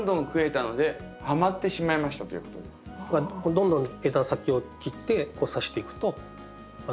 どんどん枝先を切ってさしていくと増えます。